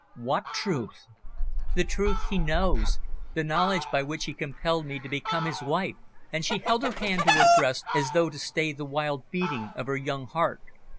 "What truth?" "The truth he knows the knowledge by which he compelled me to become his wife," and she held her hand to her breast, as though to stay the wild beating of her young heart.